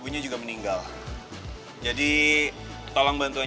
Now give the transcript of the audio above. lucu juga kamu mau lihat